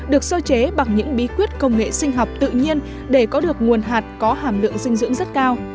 được sơ chế bằng những bí quyết công nghệ sinh học tự nhiên để có được nguồn hạt có hàm lượng dinh dưỡng rất cao